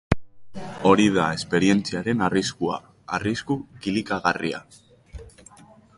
Hori da esperientziaren arriskua, arrisku kilikagarria!